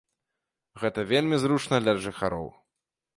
Гэта вельмі зручна для жыхароў.